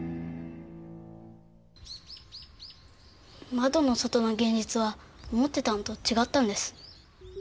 窓の外の現実は思ってたのと違ったんです。